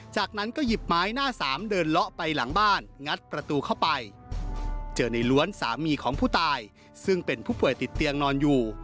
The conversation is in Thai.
จากนั้นก็หยิบไม้หน้าสามเดินเลาะไปหลังบ้านงัดประตูเข้าไปเจอในล้วนสามีของผู้ตายซึ่งเป็นผู้ป่วยติดเตียงนอนอยู่